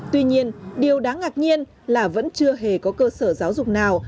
tuy nhiên điều đáng ngạc nhiên là vẫn chưa hề có cơ sở giáo dục nào